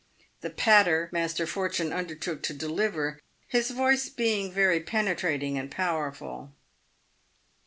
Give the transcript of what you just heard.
The "patter" Master Fortune undertook to deliver, his voice being very penetrating and powerful.